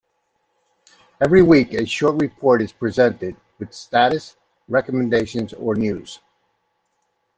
Every week a short report is presented, with status, recommendations or news.